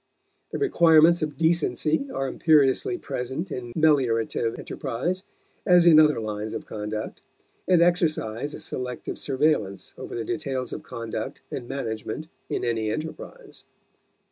The requirements of decency are imperiously present in meliorative enterprise as in other lines of conduct, and exercise a selective surveillance over the details of conduct and management in any enterprise.